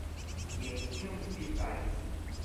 Jen kion vi faris.